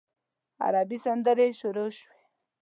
عربي سندرې شروع شوې.